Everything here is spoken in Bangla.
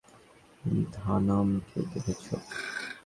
ধানাম কে দেখেছ?